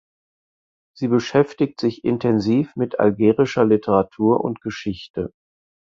Sie beschäftigt sich intensiv mit algerischer Literatur und Geschichte.